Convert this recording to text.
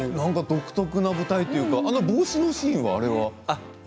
独特な舞台というか帽子のシーンは、あれは。